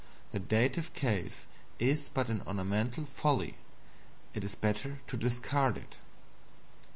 The Dative case is but an ornamental folly it is better to discard it.